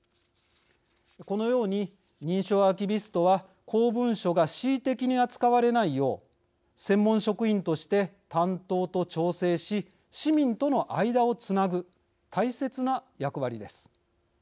このように、認証アーキビストは公文書が恣意的に扱われないよう専門職員として担当と調整し市民との間をつなぐ大切な役割です。